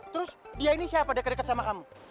terus dia ini siapa yang deket deket sama kamu